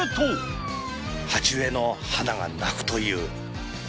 鉢植えの花が鳴くという。